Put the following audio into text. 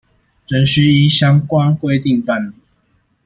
仍須依相關規定辦理